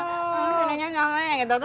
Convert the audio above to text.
mungkin hanya nyamanya gitu